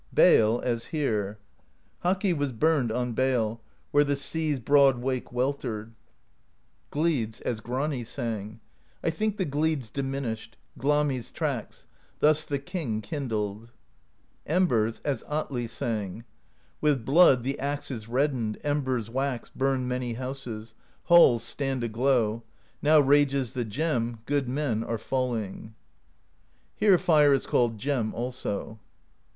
Bale, as here Haki was burned on Bale, Where the sea's broad wake weltered, THE POESY OF SKALDS 223 Gledes, as Grani sang: I think the Gledes diminished ... Glammi's tracks; thus the king kindled. Embers, as Atli sang: With blood the axe is reddened, Embers wax, burn many houses. Halls stand aglow; now rages The Gem; good men are falling. Here fire is called Gem also.